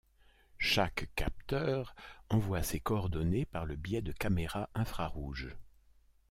Chaque capteur envoie ses coordonnées par le biais de caméras infrarouges.